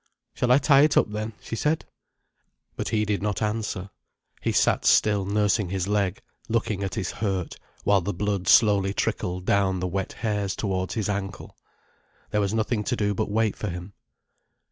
"Shall I tie it up, then?" she said. But he did not answer. He sat still nursing his leg, looking at his hurt, while the blood slowly trickled down the wet hairs towards his ankle. There was nothing to do but wait for him.